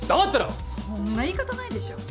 そんな言い方ないでしょ。